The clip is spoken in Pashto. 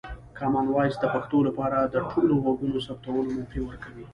کامن وایس د پښتو لپاره د ټولو غږونو ثبتولو موقع ورکوي.